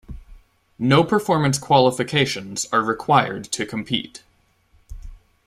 No performance qualifications are required to compete.